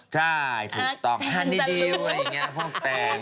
ใช่ถูกต้องฮันนิวอะไรอย่างนี้พวกแตง